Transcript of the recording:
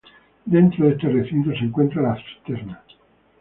Dentro de este recinto se encuentra la cisterna.